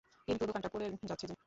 কিন্তু দোকানটা পুড়ে যাচ্ছে যে!